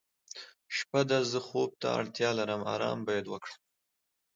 شپه ده زه خوب ته اړتیا لرم آرام باید وکړم.